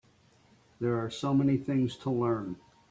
There are so many things to learn.